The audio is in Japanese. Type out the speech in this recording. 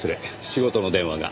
仕事の電話が。